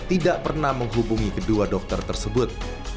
tidak pernah menghubungi kedua dokter tersebut